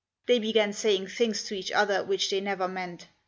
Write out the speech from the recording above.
They began saying things to each other which they never meant.